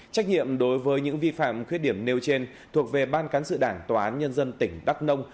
trách nhiệm đối với những vi phạm khuyết điểm nêu trên thuộc về ban cán sự đảng tòa án nhân dân tỉnh đắk nông